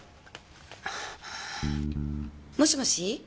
もしもし？